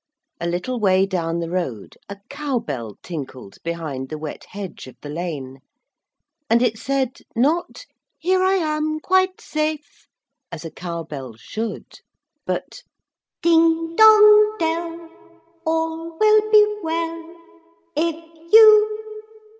A little way down the road a cow bell tinkled behind the wet hedge of the lane. And it said not, 'Here I am, quite safe,' as a cow bell should, but Ding dong dell All will be well If you...